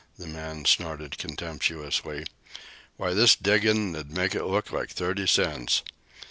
the man snorted contemptuously. "Why, this diggin' 'd make it look like thirty cents.